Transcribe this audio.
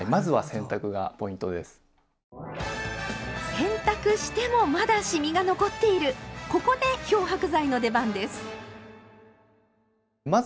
洗濯してもまだシミが残っているここで漂白剤の出番です！